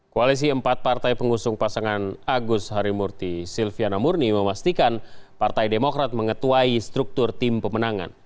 koalisi empat partai pengusung pasangan agus harimurti silviana murni memastikan partai demokrat mengetuai struktur tim pemenangan